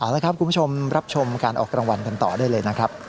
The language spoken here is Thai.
แล้วครับคุณผู้ชมรับชมการออกกวางกันต่อได้เลย